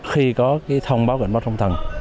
khi có cái thông báo cảnh báo sóng thần